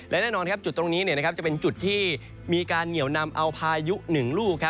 และแน่นอนจุดตรงนี้จะเป็นจุดที่มีการเหนียวนำเอาพายุหนึ่งลูก